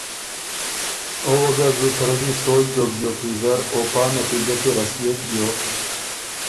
او وه ګۀ زُت رݫي سوچ دوک بیوک ویزر او پا نتیجه کی رسيېک بیوک